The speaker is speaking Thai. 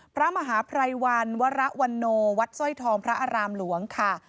พระมหาภัยวันวรวันโนวัดสร้อยทองพระอารามหลวงค่ะ